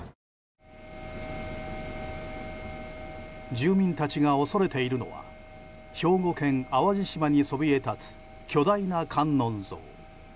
住民たちが恐れているのは兵庫県淡路島にそびえ立つ巨大な観音像。